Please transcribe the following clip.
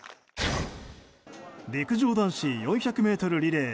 陸上男子４００ｍリレー。